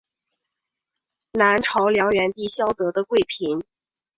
南朝梁元帝萧绎的贵嫔。